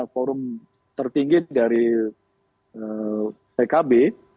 forum tertinggi dari pkb